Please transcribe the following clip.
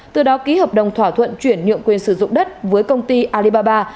từ đó ký hợp đồng thỏa thuận chuyển nhượng quyền sử dụng đất với công ty alibaba